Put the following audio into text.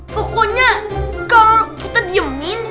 pokoknya kalau kita diemin